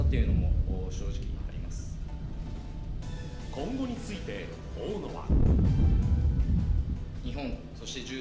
今後について大野は。